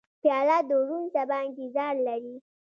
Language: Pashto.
پیاله د روڼ سبا انتظار لري.